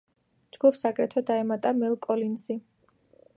ჯგუფს აგრეთვე დაემატა მელ კოლინზი.